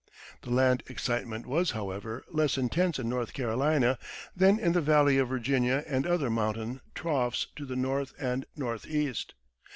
The land excitement was, however, less intense in North Carolina than in the Valley of Virginia and other mountain troughs to the north and northeast.